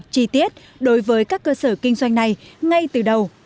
chi tiết đối với các cơ sở kinh doanh này ngay từ đầu